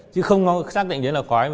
chứ không có xác định đến là khói